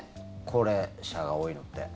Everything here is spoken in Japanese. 高齢者が多いのって。